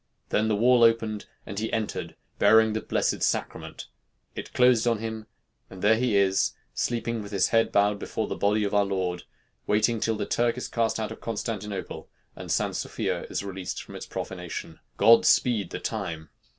Then the wall opened, and he entered, bearing the Blessed Sacrament. It closed on him, and there he is sleeping with his head bowed before the Body of Our Lord, waiting till the Turk is cast out of Constantinople, and St. Sophia is released from its profanation. God speed the time!